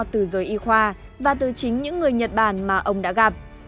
từ giới y khoa và từ chính những người nhật bản mà ông đã gặp